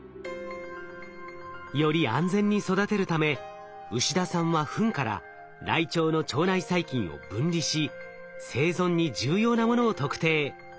より安全に育てるため牛田さんはフンからライチョウの腸内細菌を分離し生存に重要なものを特定。